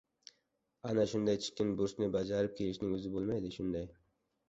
— Ana shundaychikin burchni bajarib kelishning o‘zi bo‘lmaydi, shunday!